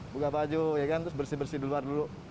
buka baju ya kan terus bersih bersih di luar dulu